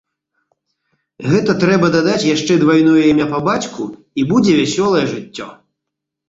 Гэта трэба дадаць яшчэ двайное імя па бацьку, і будзе вясёлае жыццё.